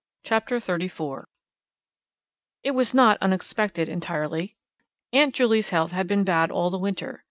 Chapter 34 It was not unexpected entirely. Aunt Juley's health had been bad all the winter.